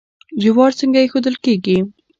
جوار څنګه ایښودل کیږي؟